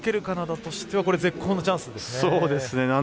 カナダとしては絶好のチャンスですね。